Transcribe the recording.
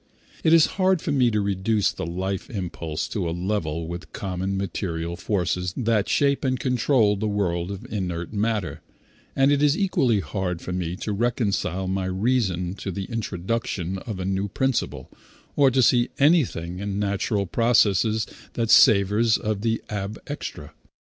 It is hard for me to reduce the life impulse to a level with common material forces that shape and control the world of inert matter, and it is equally hard for me to reconcile my reason to the introduction of a new principle, or to see anything in natural processes that savors of the ab extra.